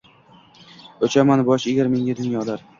Uchaman — bosh egar menga dunyolar